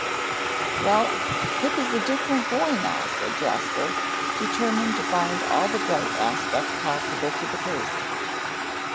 "Well, Pip is different now," said Jasper, determined to find all the bright aspect possible to the case.